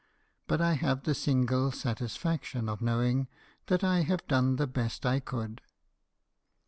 But I have the single satisfaction of knowing that I have done the best I could.